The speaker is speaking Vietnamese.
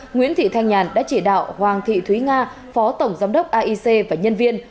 nguyễn thị thanh nhàn đã chỉ đạo hoàng thị thúy nga phó tổng giám đốc aic và nhân viên